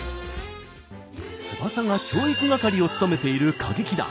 翼が教育係を務めている歌劇団。